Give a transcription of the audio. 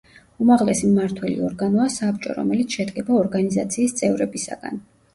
უმაღლესი მმართველი ორგანოა საბჭო, რომელიც შედგება ორგანიზაციის წევრებისაგან.